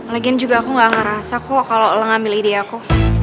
lagian juga aku gak ngerasa kok kalau ngambil ide aku